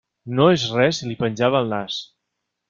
No és res, i li penjava el nas.